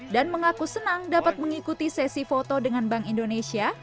mengaku senang dapat mengikuti sesi foto dengan bank indonesia